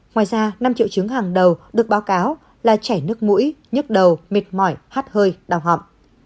ngoài ra năm triệu chứng hàng đầu được báo cáo là chảy nước mũi nhức đầu mệt mỏi hát hơi đau họng